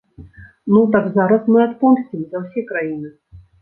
Ну так зараз мы адпомсцім за ўсе краіны.